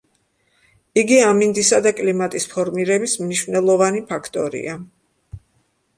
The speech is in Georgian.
იგი ამინდისა და კლიმატის ფორმირების მნიშვნელოვანი ფაქტორია.